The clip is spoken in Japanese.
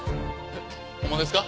えっホンマですか？